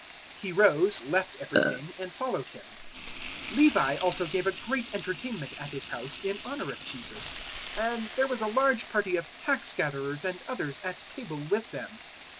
005:028 He rose, left everything, and followed Him. 005:029 Levi also gave a great entertainment at his house in honour of Jesus, and there was a large party of tax gatherers and others at table with them.